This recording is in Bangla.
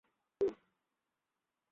কনে নিশ্চয়ই বিনু নামের মেয়েটি।